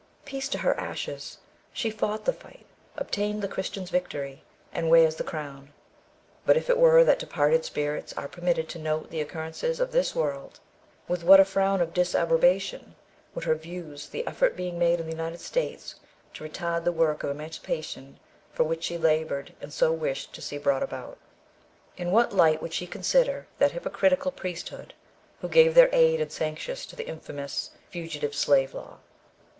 Peace to her ashes! she fought the fight, obtained the Christian's victory, and wears the crown. But if it were that departed spirits are permitted to note the occurrences of this world, with what a frown of disapprobation would hers view the effort being made in the United States to retard the work of emancipation for which she laboured and so wished to see brought about. In what light would she consider that hypocritical priesthood who gave their aid and sanction to the infamous "Fugitive Slave Law."